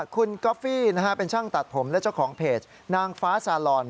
คุณก๊อฟฟี่เป็นช่างตัดผมและเจ้าของเพจนางฟ้าซาลอน